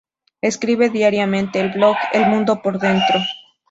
Escribe diariamente el blog "El Mundo por dentro".